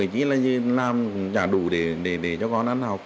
chỉ là làm trả đủ để cho con ăn học